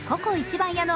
番屋の